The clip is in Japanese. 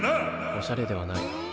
おしゃれではない。